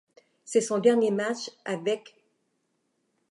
C'est son dernier match avec les '.